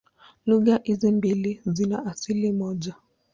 Lugha hizi mbili zina asili moja.